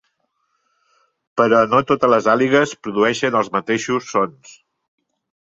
Però no totes les àligues produeixen els mateixos sons.